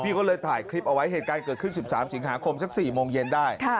พี่ก็เลยถ่ายคลิปเอาไว้เหตุการณ์เกิดขึ้นสิบสามสิงหาคมจากสี่โมงเย็นได้ค่ะ